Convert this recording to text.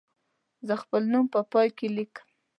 زه خپل نوم په پای کې لیکم.